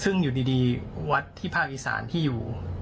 ซึ่งอยู่ดีวัดที่ภาคอีสานที่อยู่